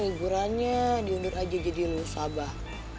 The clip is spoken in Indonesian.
hiburannya diundur aja jadi lusa abah